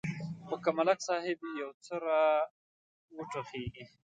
خو که ملک صاحب یو څه را وټوخېږي.